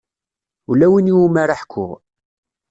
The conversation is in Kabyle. Ula win iwumi ara ḥkuɣ.